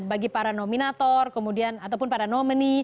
bagi para nominator kemudian ataupun para nomini